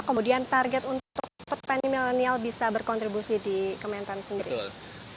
kemudian target untuk petani milenial bisa berkontribusi di kementan sendiri